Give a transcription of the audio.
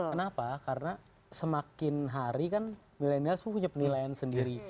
kenapa karena semakin hari kan milenial punya penilaian sendiri